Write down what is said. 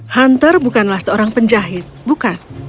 hunter bukanlah seorang penjahit bukan